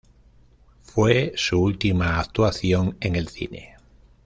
Fue su última actuación en el cine.